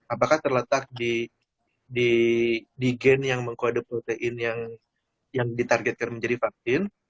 apakah terletak di gen yang mengkode protein yang ditargetkan menjadi vaksin